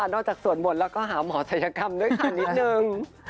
นอกจากสวนหมดแล้วก็หาหมอสัยกรรมด้วยค่ะนิดนึง